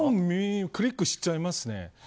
いや、クリックしちゃいますね。